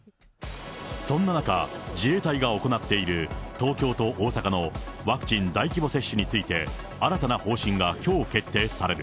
そんな中、自衛隊が行っている東京と大阪のワクチン大規模接種について、新たな方針がきょう決定される。